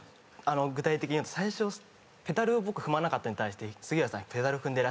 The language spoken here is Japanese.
具体的に言うと最初ペダルを僕踏まなかったのに対して。